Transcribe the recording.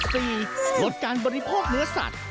ลดการบริโภคเนื้อสัตว์